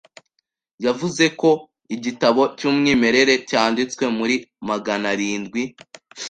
yavuze ko igitabo cy’umwimerere cyanditswe muri maganarindwi